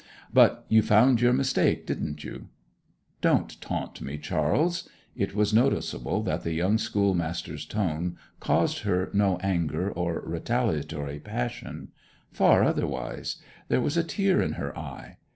But you found your mistake, didn't you?' 'Don't taunt me, Charles.' It was noticeable that the young schoolmaster's tone caused her no anger or retaliatory passion; far otherwise: there was a tear in her eye.